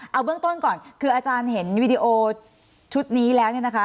เอาเบื้องต้นก่อนคืออาจารย์เห็นวิดีโอชุดนี้แล้วเนี่ยนะคะ